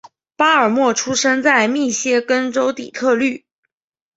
巴尔默出生在密歇根州底特律。